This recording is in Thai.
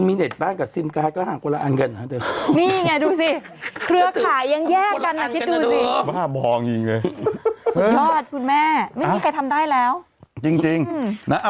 ไม่เคยเห็นไม่เป็นใครเคยเห็นดูลำนี้เรื่องจริงนะ